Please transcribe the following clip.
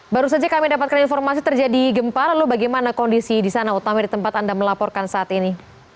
baru saja kami dapatkan informasi terjadi gempa lalu bagaimana kondisi di sana utama di tempat anda melaporkan saat ini